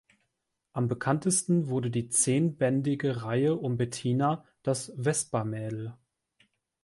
Am bekanntesten wurde die zehnbändige Reihe um Bettina, das Vespa-Mädel.